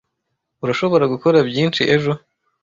Urashobora gukora byinshi ejo.